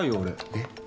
えっ？